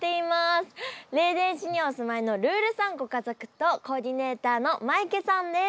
レーデン市にお住まいのルールさんご家族とコーディネーターのマイケさんです。